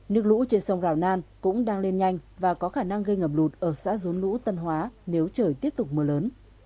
nước lũ trên sông rào nan cũng đang lên nhanh và có khả năng gây ngập lụt ở xã dốn lũ tân hóa nếu trời tiếp tục mưa lớn